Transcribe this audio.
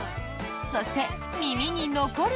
そして、耳に残る。